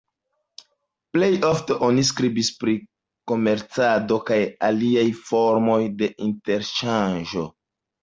Plej ofte oni skribis pri komercado kaj aliaj formoj de interŝanĝo.